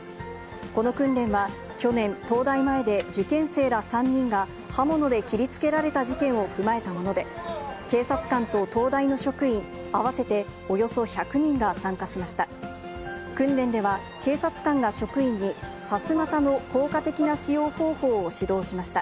この訓練は、去年、東大前で受験生ら３人が刃物で切りつけられた事件を踏まえたもので、警察官と東大の職員合わせておよそ１００人が参加しました。